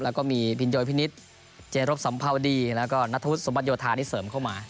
แล้วก็มีพินโยยพินิษฐ์เจรบสัมภาวดีแล้วก็นัทธวุฒสมบัติโยธาที่เสริมเข้ามา